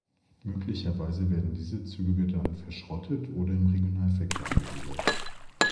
Möglicherweise werden diese Züge dann verschrottet oder im Regionalverkehr eingesetzt.